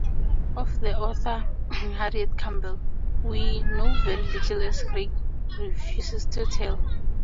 Of the author Harriette Campbell, we know very little as Gleig refuses to tell.